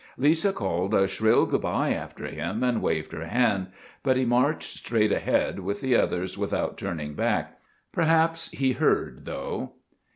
Lisa called a shrill good bye after him and waved her hand, but he marched straight ahead with the others without turning back. Perhaps he heard, though.